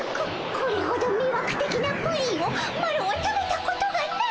これほどみわくてきなプリンをマロは食べたことがない！